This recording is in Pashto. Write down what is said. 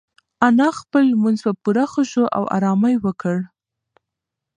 انا خپل لمونځ په پوره خشوع او ارامۍ وکړ.